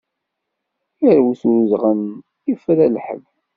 Irwet udɣen, ifra lḥebb!